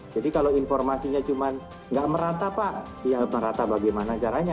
jadi kalau informasinya cuma tidak merata pak ya merata bagaimana caranya